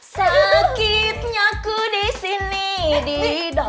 sakitnya aku disini didal